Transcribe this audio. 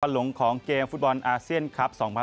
หลงของเกมฟุตบอลอาเซียนคลับ๒๐๑๖